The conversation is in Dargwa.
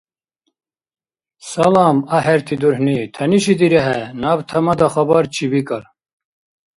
Салам, ахӀерти дурхӀни! ТянишидирехӀе. Наб Тамада-хабарчи бикӀар.